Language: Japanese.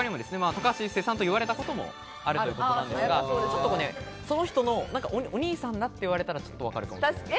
高橋一生さんと言われたこともあるということなんですが、その人のお兄さんだって言われたら、ちょっとわかるかも。